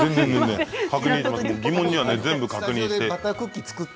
疑問には全部確認して。